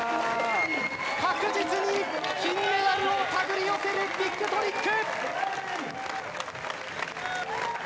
確実に金メダルを手繰り寄せるビッグトリック！